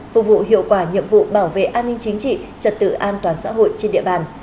phục vụ hiệu quả nhiệm vụ bảo vệ an ninh chính trị trật tự an toàn xã hội trên địa bàn